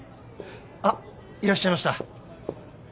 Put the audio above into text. あっいらっしゃいました。